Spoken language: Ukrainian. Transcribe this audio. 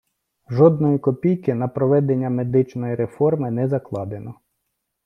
Жодної копійки на проведення медичної реформи не закладено.